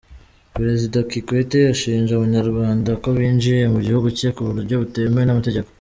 Perezida Kikwete ashinja Abanyarwanda ko binjiye mu gihugu cye ku buryo butemewe n’amategeko.